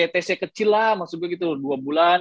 tc kecil lah maksud gue gitu dua bulan